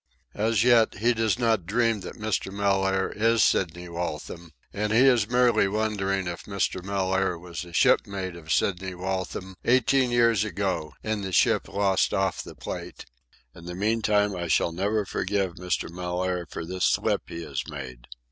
As yet, he does not dream that Mr. Mellaire is Sidney Waltham, and he is merely wondering if Mr. Mellaire was a ship mate of Sidney Waltham eighteen years ago in the ship lost off the Plate. In the meantime, I shall never forgive Mr. Mellaire for this slip he has made.